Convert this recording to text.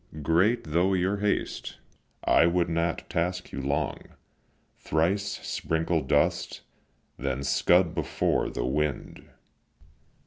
Great though your haste, I would not task you long; Thrice sprinkle dust, then scud before the wind.